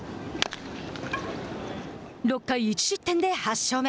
６回１失点で８勝目。